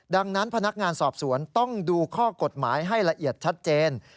ดังนั้นพนักงานสอบสวนต้องดูข้อกฎหมายให้ละเอียดชัดเจน